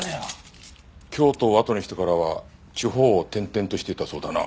京都をあとにしてからは地方を転々としていたそうだな。